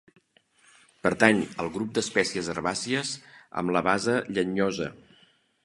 Pertany al grup d'espècies herbàcies amb la base llenyosa.